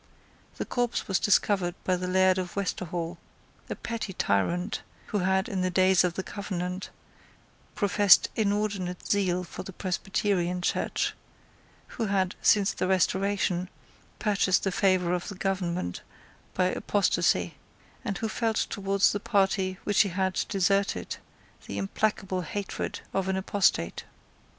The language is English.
The corpse was discovered by the Laird of Westerhall, a petty tyrant who had, in the days of the Covenant, professed inordinate zeal for the Presbyterian Church, who had, since the Restoration, purchased the favour of the government by apostasy, and who felt towards the party which he had deserted the implacable hatred of an apostate.